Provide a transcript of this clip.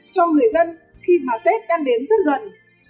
cho người dân khi mà tết đang đến rất gần